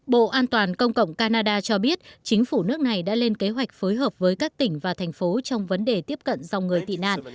bộ an toàn công cộng canada cho biết chính phủ nước này đã lên kế hoạch phối hợp với các tỉnh và thành phố trong vấn đề tiếp cận dòng người tị nạn